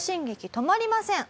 止まりません。